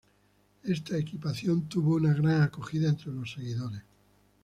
Esta equipación tuvo una gran acogida entre los seguidores.